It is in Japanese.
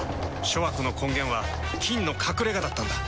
諸悪の根源は「菌の隠れ家」だったんだ。